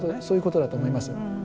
そういうことだと思います。